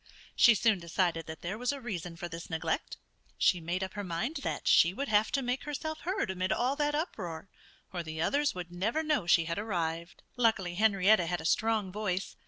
She soon decided that there was a reason for this neglect. She made up her mind that she would have to make herself heard amid all that uproar or the others would never know she had arrived. Luckily Henrietta had a strong voice.